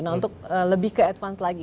nah untuk lebih ke advance lagi